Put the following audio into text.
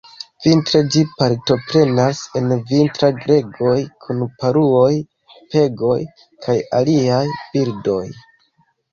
Vintre ĝi partoprenas en vintra-gregoj kun paruoj, pegoj, kaj aliaj birdoj.